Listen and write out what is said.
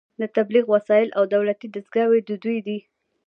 د تبلیغ وسایل او دولتي دستګاوې د دوی دي